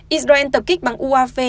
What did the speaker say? israel tập kích bằng uav